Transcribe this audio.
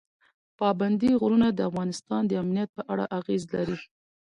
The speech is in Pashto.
پابندي غرونه د افغانستان د امنیت په اړه اغېز لري.